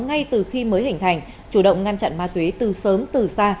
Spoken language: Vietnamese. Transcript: ngay từ khi mới hình thành chủ động ngăn chặn ma túy từ sớm từ xa